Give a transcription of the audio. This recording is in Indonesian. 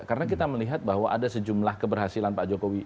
karena kita melihat bahwa ada sejumlah keberhasilan pak jokowi